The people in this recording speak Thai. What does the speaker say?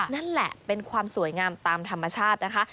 นั่นแหละเป็นความสวยงามตามธรรมชาตินะคะ